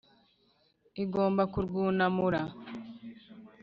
Igomba kurwunamura